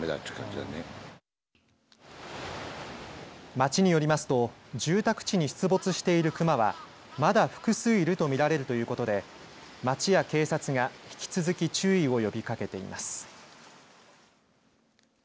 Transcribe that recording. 町によりますと住宅地に出没しているクマはまだ複数いるとみられるということで町や警察が引き続き注意を呼びかけています。